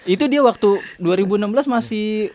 itu dia waktu dua ribu enam belas masih